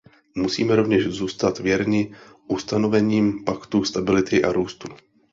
Musíme rovněž zůstat věrni ustanovením paktu stability a růstu.